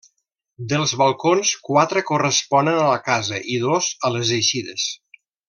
Dels balcons, quatre corresponen a la casa i dos a les eixides.